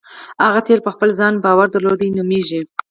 هغه تیل په خپل ځان باور درلودل نومېږي.